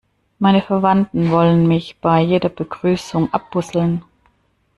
Meine Verwandten wollen mich bei jeder Begrüßung abbusseln.